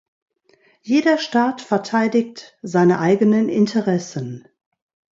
Jeder Staat verteidigt seine eigenen Interessen.